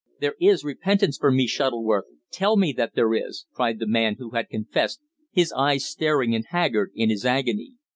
"There is repentance for me, Shuttleworth tell me that there is!" cried the man who had confessed, his eyes staring and haggard in his agony.